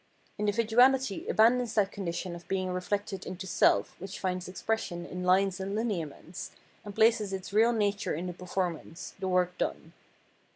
Individuahty abandons that condition of being reflected into self which finds expression in lines and lineaments, and places its real nature in the performance, the work done.